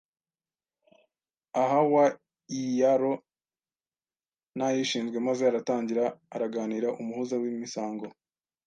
ahawa iyiaro n’aishinzwe maze aratangira araganira: Umuhuza w’imisango: